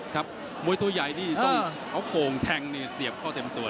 ครับมวยตัวใหญ่นี่ต้องเอาโก่งแทงนี่เสียบเข้าเต็มตัว